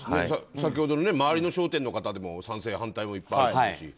先ほどの周りの商店の方でも賛成、反対もいっぱいあるだろうし。